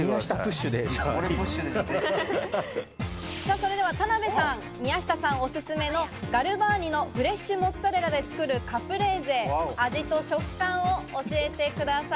それでは田辺さん、宮下さんおすすめのガルバーニのフレッシュモッツァレラで作るカプレーゼ、味と食感を教えてください。